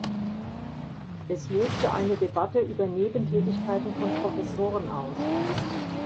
Es löste eine Debatte über Nebentätigkeiten von Professoren aus.